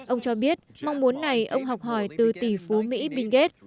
ông cho biết mong muốn này ông học hỏi từ tỷ phú mỹ bilge